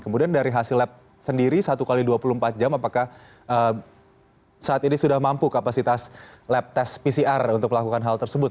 kemudian dari hasil lab sendiri satu x dua puluh empat jam apakah saat ini sudah mampu kapasitas lab tes pcr untuk melakukan hal tersebut